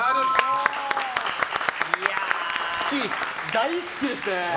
大好きですね。